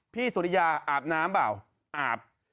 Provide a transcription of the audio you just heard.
สุริยาอาบน้ำเปล่าอาบ